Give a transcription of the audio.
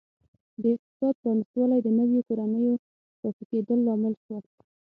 د اقتصاد پرانیستوالی د نویو کورنیو راټوکېدل لامل شول.